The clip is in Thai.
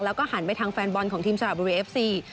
แล้วก็หันไปทางแฟนบอลของทีมสระบุรีเอฟซี